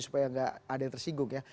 supaya nggak ada yang tersinggung ya